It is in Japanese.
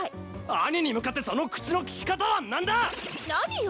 兄に向かってその口の利き方は何だ！何よ。